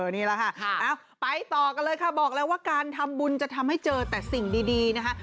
นี่แหละค่ะไปต่อกันเลยค่ะบอกเลยว่าการทำบุญจะทำให้เจอแต่สิ่งดีนะคะ